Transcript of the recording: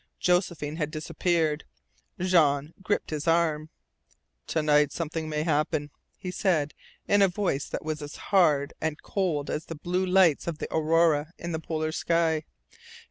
Josephine had disappeared. Jean gripped his arm. "To night something may happen," he said, in a voice that was as hard and cold as the blue lights of the aurora in the polar sky.